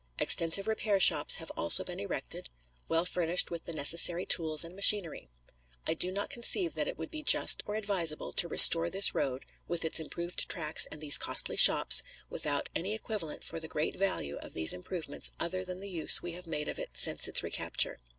Extensive repair shops have also been erected, well furnished with the necessary tools and machinery. I do not conceive that it would be just or advisable to restore this road, with its improved tracks and these costly shops, without any equivalent for the great value of these improvements other than the use we have made of it since its recapture.